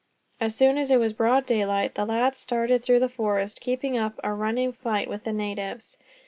As soon as it was broad daylight, the lads started through the forest, keeping up a running fight with the natives.